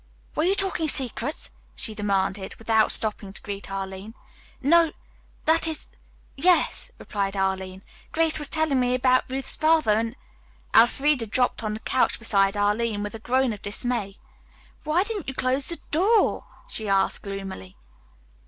"Were you talking secrets?" she demanded, without stopping to greet Arline. "No, that is yes," replied Arline. "Grace was telling me about Ruth's father and " Elfreda dropped on the couch beside Arline with a groan of dismay. "Why didn't you close the door?" she asked gloomily.